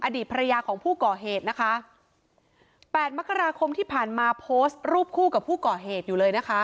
อดีตภรรยาของผู้ก่อเหตุนะคะแปดมกราคมที่ผ่านมาโพสต์รูปคู่กับผู้ก่อเหตุอยู่เลยนะคะ